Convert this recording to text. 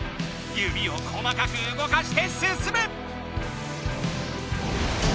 指を細かくうごかして進め！